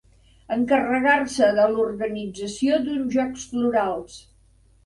Encarregar-se de l'organització d'uns jocs florals.